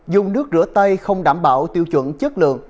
dùng nước rửa tay không đảm bảo tiêu chuẩn chất lượng